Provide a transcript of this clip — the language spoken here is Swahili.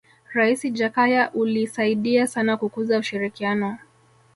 raisi jakaya ulisaidia sana kukuza ushirikiano